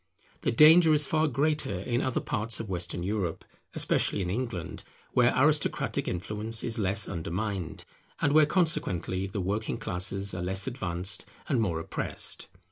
The danger is far greater in other parts of Western Europe; especially in England, where aristocratic influence is less undermined, and where consequently the working classes are less advanced and more oppressed.